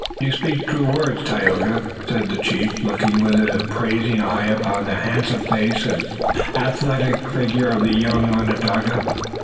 "You speak true words, Tayoga," said the chief, looking with an appraising eye upon the handsome face and athletic figure of the young Onondaga.